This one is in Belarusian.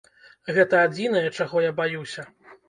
Гэта адзінае, чаго я баюся.